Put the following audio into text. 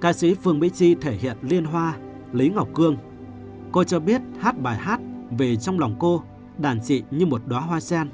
ca sĩ phương mỹ chi thể hiện liên hoa lý ngọc cương cô cho biết hát bài hát vì trong lòng cô đàn dị như một đoá hoa sen